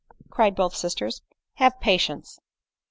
cried. both sisters. "Have patience."